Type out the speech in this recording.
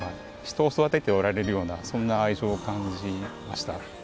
人を育てておられるようなそんな愛情を感じました。